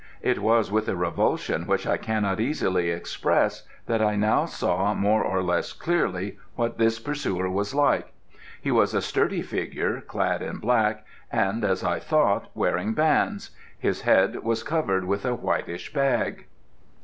It was with a revulsion which I cannot easily express that I now saw more or less clearly what this pursuer was like. He was a sturdy figure clad in black, and, as I thought, wearing bands: his head was covered with a whitish bag.